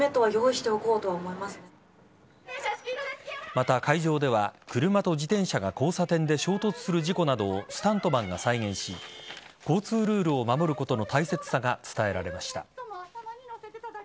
また、会場では車と自転車が交差点で衝突する事故などをスタントマンが再現し交通ルールを守ることの大切さが伝えられました。